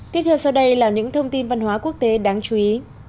tiếp theo sau đây là những thông tin văn hóa quốc tế đáng chú ý